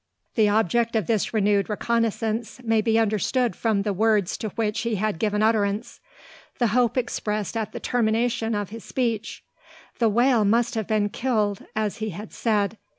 The object of this renewed reconnoissance may be understood from the words to which he had given utterance, the hope expressed at the termination of his speech. The whale must have been killed, as he had said.